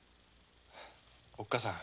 おっ母さん。